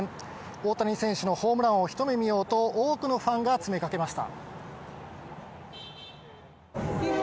大谷選手のホームランを一目見ようと、多くのファンが詰めかけました。